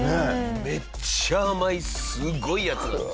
めっちゃ甘いすごいやつなんでしょ。